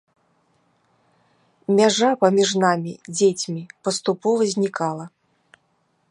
Мяжа паміж намі, дзецьмі, паступова знікала.